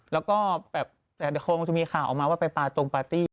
แล้วก็แบบแต่คงจะมีข่าวออกมาว่าไปปาตรงปาร์ตี้